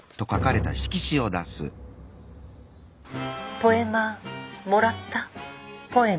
ポエマーもらったポエム。